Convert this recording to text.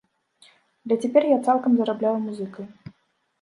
Але цяпер я цалкам зарабляю музыкай.